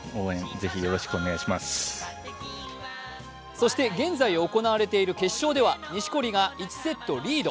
そして現在行われている決勝では錦織が１セットリード。